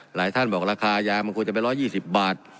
หลายท่านบอกราคายามันควรจะเป็น๑๒๐บาท